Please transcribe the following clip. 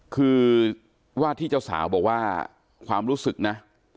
คือว่าที่เจ้าสาวบอกว่าความรู้สึกนะ